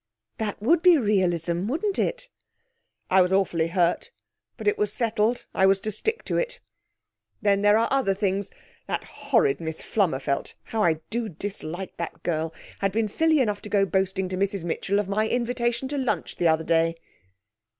"' 'That would be realism, wouldn't it?' 'I was awfully hurt, but it was settled I was to stick to it. Then there are other things. That horrid Miss Flummerfelt how I do dislike that girl had been silly enough to go boasting to Mrs Mitchell of my invitation to lunch the other day.'